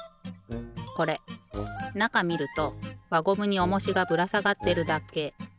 これなかみるとわゴムにおもしがぶらさがってるだけ。